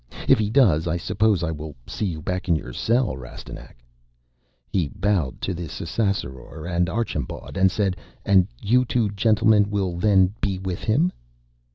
If he does, I suppose I will see you back in your cell, Rastignac." He bowed to the Ssassaror and Archambaud and said, "And you two gentlemen will then be with him."